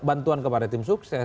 bantuan kepada tim sukses